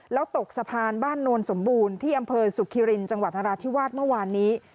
แล้วตกสะพานบ้านโนนสมบูรณ์ที่อำเภอสุขิรินจังหวัดนราธิวาสเมื่อวานนี้